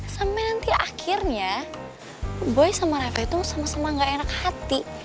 sampai nanti akhirnya boy sama raka itu sama sama gak enak hati